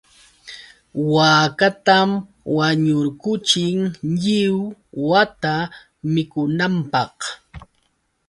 Waakatam wañurquchin lliw wata mikunanpaq.